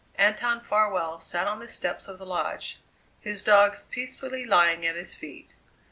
Anton Farwell sat on the steps of the Lodge, his dogs peacefully lying at his feet.